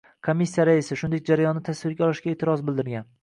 Komissiya raisi, shuningdek, jarayonni tasvirga olishga e'tiroz bildirgan